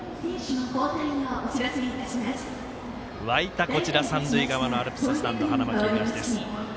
沸いた三塁側のアルプススタンド、花巻東。